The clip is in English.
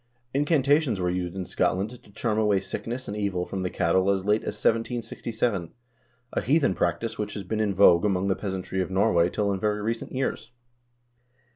1 Incantations were used in Scotland to charm away sickness and evil from the cattle as late as 1767, a heathen practice which has been in vogue among the peasantry of Norway till in very recent years.